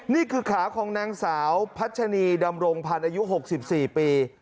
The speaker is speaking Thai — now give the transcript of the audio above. นี่คือขาของนางสาวพัชนีดำรงพันธ์อายุ๖๔ปี